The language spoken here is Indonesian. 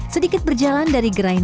sedikit berjalan dari jalan ke jalan